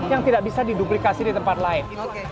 yang tidak bisa diduplikasi di tempat lain